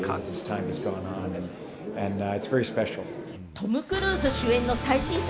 トム・クルーズ主演の最新作。